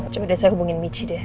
cuma deh saya hubungin michi deh